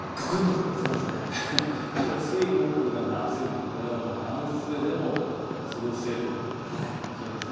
水、木が夏日、これは半袖でも過ごせる気温です。